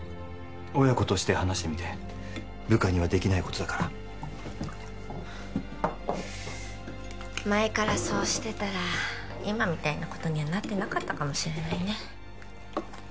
親子として話してみて部下にはできないことだから前からそうしてたら今みたいなことにはなってなかったかもしれないね